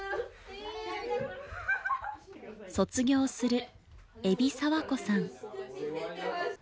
卒業する海老佐和子さん。